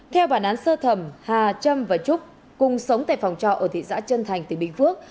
theo bản án sơ thẩm hà trâm và trúc cùng sống tại phòng trọ ở thị xã trân thành tỉnh bình phước